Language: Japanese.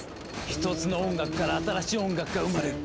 一つの音楽から新しい音楽が生まれる。